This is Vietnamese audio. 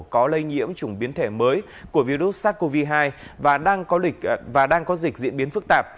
có lây nhiễm chủng biến thể mới của virus sars cov hai và đang có dịch diễn biến phức tạp